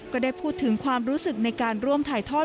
ก็ได้พูดถึงความรู้สึกในการร่วมถ่ายทอด